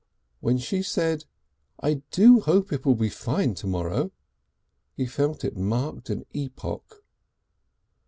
When she said, "I do hope it will be fine to morrow," he felt it marked an epoch.